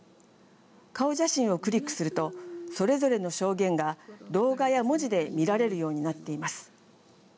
顔写真をクリックするとそれぞれの証言が動画や文字で見られるようになっています。